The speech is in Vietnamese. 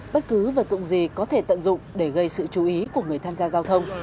bất cứ vật dụng gì có thể tận dụng để gây sự chú ý của người tham gia giao thông